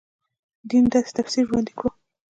دین داسې تفسیر وړاندې کړو.